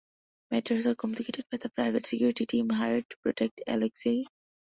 Matters are complicated by the private security team hired to protect Alexei.